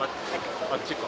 あっちか。